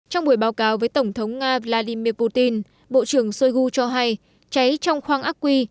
trong buổi báo cáo với tổng thống nga vladimir putin bộ trưởng shoigu cho hay cháy trong khoang ác quy